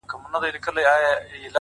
هغه اوس كډ ه وړي كا بل ته ځي.